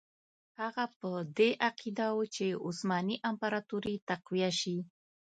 هغه په دې عقیده وو چې عثماني امپراطوري تقویه شي.